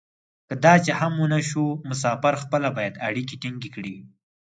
که داسې هم و نه شو مسافر خپله باید اړیکې ټینګې کړي.